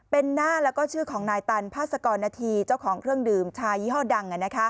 เป็นหน้าแล้วก็ชื่อของนายตันพาสกรณฑีเจ้าของเครื่องดื่มชายี่ห้อดัง